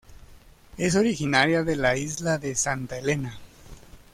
Es originaria de la Isla de Santa Elena.